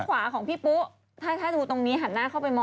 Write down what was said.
แล้วก็ด้านขวาของพี่ปู้